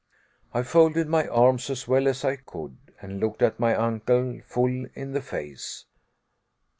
I folded my arms, as well as I could, and looked my uncle full in the face.